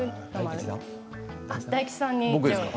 大吉さんに。